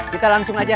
kita langsung aja